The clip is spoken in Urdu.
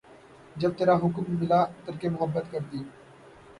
جب ترا حکم ملا ترک محبت کر دی